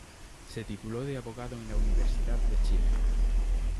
Se tituló de abogado en la Universidad de Chile.